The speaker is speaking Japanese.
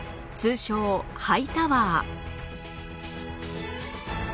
通称ハイタワー